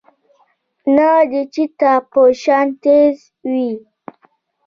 نۀ د چيتا پۀ شان تېز وي